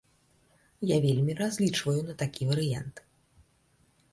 Я вельмі разлічваю на такі варыянт.